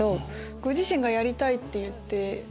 ご自身が「やりたい」って言って？